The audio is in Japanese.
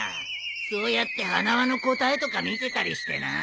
そうやって花輪の答えとか見てたりしてな。